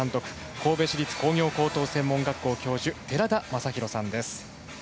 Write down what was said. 神戸市立工業高等専門学校教授寺田雅裕さんです。